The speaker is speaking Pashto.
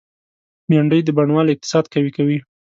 بېنډۍ د بڼوال اقتصاد قوي کوي